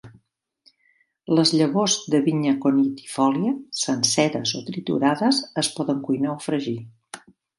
Les llavors de vigna aconitifolia senceres o triturades es poden cuinar o fregir.